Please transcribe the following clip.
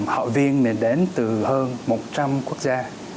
họ viên đến từ hơn một trăm linh quốc gia